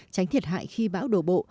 tránh thiệt hại khi bão đổ bộ